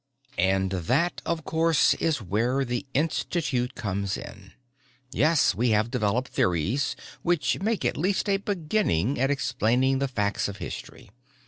"And that of course is where the Institute comes in. Yes, we have developed theories which make at least a beginning at explaining the facts of history.